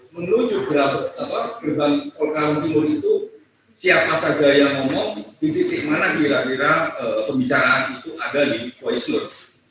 menuju gerbang tol kampung timur itu siapa saja yang ngomong di titik mana kira kira pembicaraan itu ada di voice road